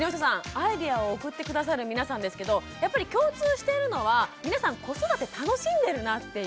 アイデアを送って下さる皆さんですけどやっぱり共通しているのは皆さん子育て楽しんでるなっていうふうに思いますよね。